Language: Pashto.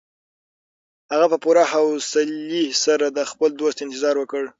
هغه په پوره حوصلي سره د خپل دوست انتظار وکړ.